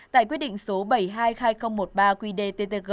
tại quyết định số bảy mươi hai hai nghìn một mươi ba quy đề ttg